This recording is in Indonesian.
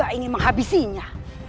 aku juga ingin menghabisinya